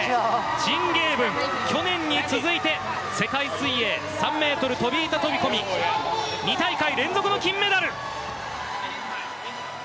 チン・ゲイブン、去年に続いて世界水泳３ｍ飛板飛込２大会連続の金メダル！